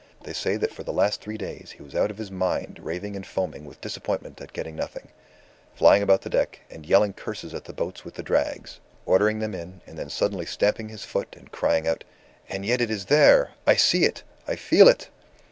They say that for the last three days he was out of his mind raving and foaming with disappointment at getting nothing, flying about the deck, and yelling curses at the boats with the drags, ordering them in, and then suddenly stamping his foot and crying out, 'And yet it is there! I see it! I feel it!